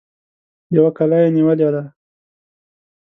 يوه کلا يې نيولې ده.